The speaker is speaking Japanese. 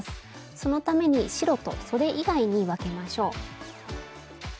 そのために白とそれ以外に分けましょう。